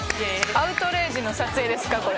『アウトレイジ』の撮影ですか？